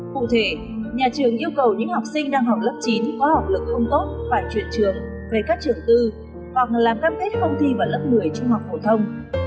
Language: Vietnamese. cụ thể nhà trường yêu cầu những học sinh đang học lớp chín có học lực không tốt phải chuyển trường về các trường tư hoặc làm cam kết không thi vào lớp một mươi trung học phổ thông